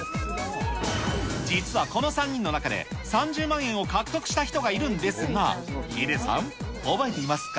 実はこの３人の中で、３０万円を獲得した人がいるんですが、ヒデさん、覚えていますか？